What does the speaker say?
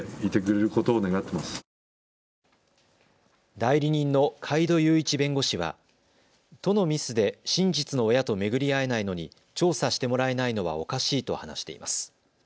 代理人の海渡雄一弁護士は都のミスで真実の親と巡り会えないのに調査してもらえないのはおかしいと話しています。